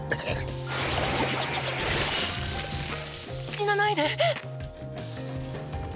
し死なないで。